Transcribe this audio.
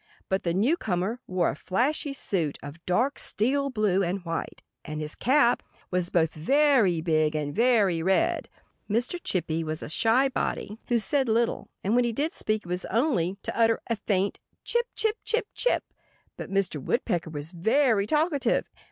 But the newcomer wore a flashy suit of dark steel blue and white; and his cap was both very big and very red. Mr. Chippy was a shy body who said little; and when he did speak it was usually only to utter a faint chip, chip, chip, chip. But Mr. Woodpecker was very talkative.